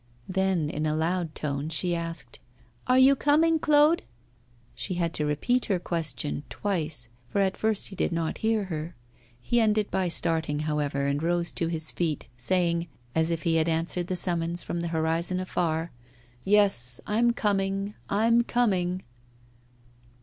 Then in a loud tone she asked: 'Are you coming, Claude?' She had to repeat her question twice, for at first he did not hear her; he ended by starting, however, and rose to his feet, saying, as if he had answered the summons from the horizon afar off: 'Yes, I'm coming, I'm coming.